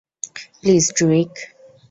Please, Druig!